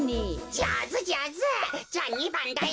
じゃあ２ばんだよ。